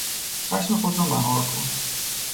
خشم خود را مهار کن!